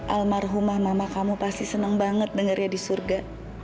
almarhumah mama kamu pasti seneng banget dengernya di surga